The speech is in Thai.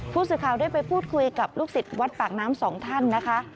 ผู้สื่อข่าวได้ไปพูดคุยกับลูกศิษย์วัดปากน้ำสองท่านนะคะ